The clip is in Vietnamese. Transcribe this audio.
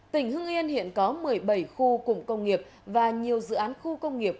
tỉnh hưng yên hiện có một mươi bảy khu cụm công nghiệp và nhiều dự án khu công nghiệp